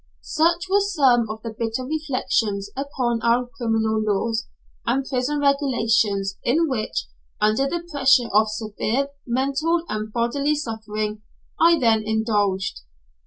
Such were some of the bitter reflections upon our criminal laws and prison regulations in which, under the pressure of severe mental and bodily suffering, I then indulged.